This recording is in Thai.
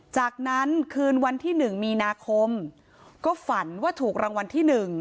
จากนั้นคืนวันที่๑มีนาคมก็ฝันว่าถูกรางวัลที่๑